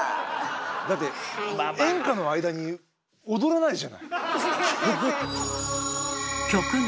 だって演歌の間に踊らないじゃない。